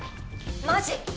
マジ！？